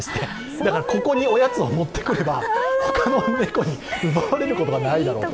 だからここにおやつを持ってくれば他の猫に奪われることがないだろうと。